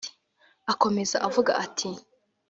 Akomeza avuga ati